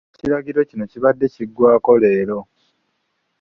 Ekiragiro kino kibadde kiggwaako leero.